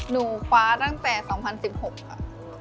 หนูคว้าตั้งแต่๒๐๑๖ค่ะ